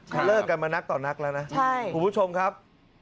เขาเลิกกันมานักต่อนักแล้วนะคุณผู้ชมครับ